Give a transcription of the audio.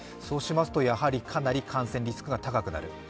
そうしますとやはり、かなり感染リスクが高くなる。